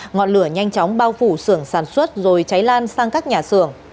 ngọn lửa nhanh chóng bao phủ sườn sản xuất rồi cháy lan sang các nhà sườn